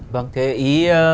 vâng thế ý